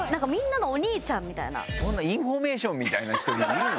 そんなインフォメーションみたいな人いるの？